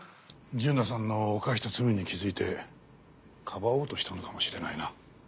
純奈さんの犯した罪に気づいてかばおうとしたのかもしれないな。